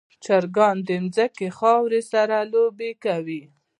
چرګان د ځمکې خاورې سره لوبې کوي.